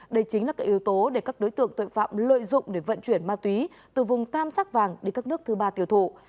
đây chính là cái yếu tố để các đối tượng tội phạm lợi dụng để vận chuyển ma túy từ vùng tam sắc vàng đi các nước thứ ba tiêu thụ